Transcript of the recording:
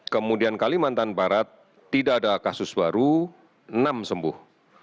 kemudian kalimantan barat tidak ada kasus baru enam sembuh